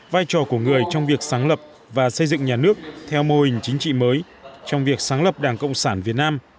vai trò của người trong việc sáng lập và xây dựng nhà nước theo mô hình chính trị mới trong việc sáng lập đảng cộng sản việt nam